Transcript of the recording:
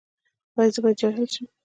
ایا زه باید جاهل شم؟